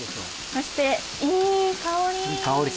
そしていい香り！